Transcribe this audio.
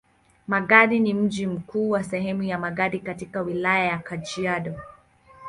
Magadi ni mji mkuu wa sehemu ya Magadi katika Wilaya ya Kajiado.